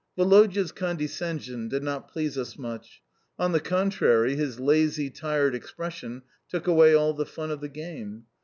Woloda's condescension did not please us much. On the contrary, his lazy, tired expression took away all the fun of the game.